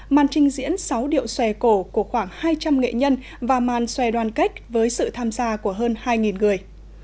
màn trình diễn sáu điệu xòe cổ của khoảng hai trăm linh nghệ nhân và màn xòe đoàn kết với sự tham gia của hơn hai người